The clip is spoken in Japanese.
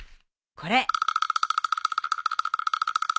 これ。